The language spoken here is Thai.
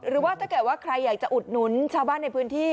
หรือว่าถ้าเกิดว่าใครอยากจะอุดหนุนชาวบ้านในพื้นที่